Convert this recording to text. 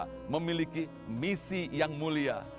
kita memiliki misi yang mulia